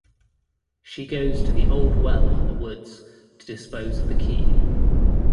She goes to the old well in the woods to dispose of the key.